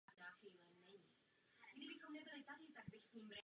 Velkou část svého života věnovala boji proti rasismu a fašismu.